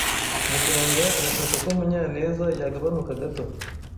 Muganga arashaka ko Munyanezyagabanuka gato.